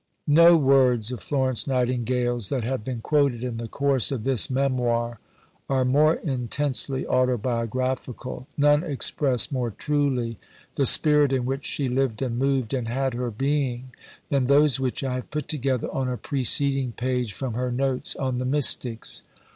No words of Florence Nightingale's that have been quoted in the course of this Memoir are more intensely autobiographical, none express more truly the spirit in which she lived and moved and had her being, than those which I have put together on a preceding page from her Notes on the Mystics.